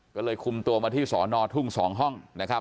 ก็เลยคุมตัวมาที่สอนอทุ่ง๒ห้องนะครับ